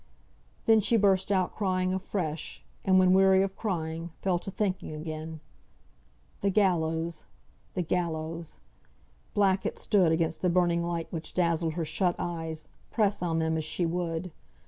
Then she burst out crying afresh; and when weary of crying, fell to thinking again. The gallows! The gallows! Black it stood against the burning light which dazzled her shut eyes, press on them as she would.